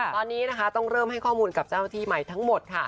ตอนนี้ต้องเริ่มให้ข้อมูลกับเจ้าที่ใหม่ทั้งหมด